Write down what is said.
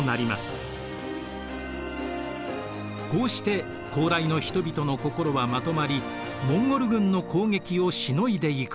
こうして高麗の人々の心はまとまりモンゴル軍の攻撃をしのいでいくのです。